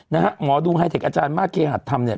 หมอดูไฮเทคอาจารย์มาสเคหัสธรรมเนี่ย